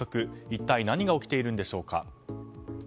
一体何が起きているんでしょうか。